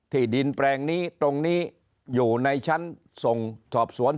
ที่ดินแปลงนี้ตรงนี้อยู่ในชั้นส่งสอบสวน